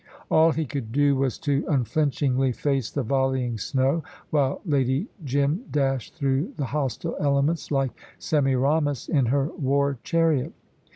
All he could do was to unflinchingly face the volleying snow, while Lady Jim dashed through the hostile elements like Semiramis in her war chariot.